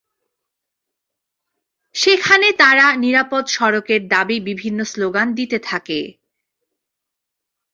সেখানে তারা নিরাপদ সড়কের দাবি বিভিন্ন স্লোগান দিতে থাকে।